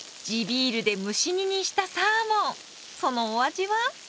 そのお味は？